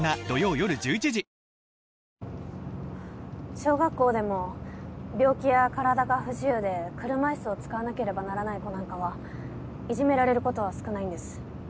小学校でも病気や体が不自由で車いすを使わなければならない子なんかはいじめられる事は少ないんです。